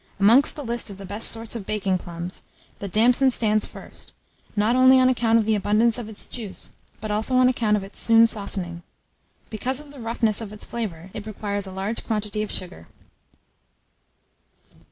Amongst the list of the best sorts of baking plums, the damson stands first, not only on account of the abundance of its juice, but also on account of its soon softening. Because of the roughness of its flavour, it requires a large quantity of sugar.